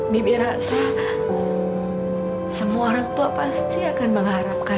bibi rasa semua orang tua pasti akan menganggap kamu